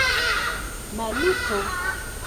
Maluto!